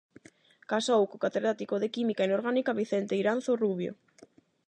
Casou co catedrático de Química Inorgánica Vicente Iranzo Rubio.